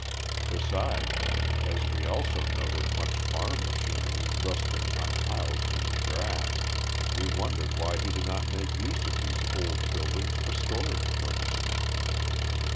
Besides, as we also noted much farm machinery rusting unhoused in the grass, we wondered why he did not make use of these old buildings for storage purposes.